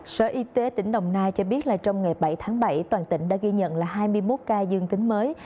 sở y tế tỉnh đồng nai cho biết là trong ngày bảy tháng bảy toàn tỉnh đã ghi nhận là hai mươi một ca dương tính mới